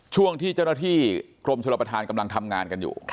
ช่วงที่เจ้าหน้าที่กรมชลประธานกำลังทำงานกันอยู่